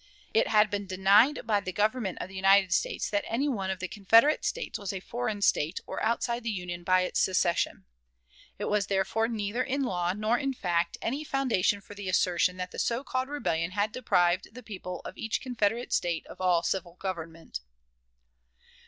It had been denied by the Government of the United States that any one of the Confederate States was a foreign state or outside the Union by its secession. There was, therefore, neither in law nor in fact, any foundation for the assertion that the so called rebellion had deprived the people of each Confederate State of all civil government.